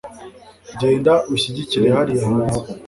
genda ushyigikire hariya hanze